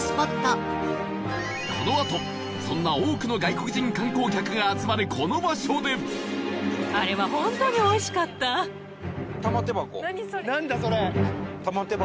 このあと、そんな多くの外国人観光客が集まるこの場所で伊達：玉手箱。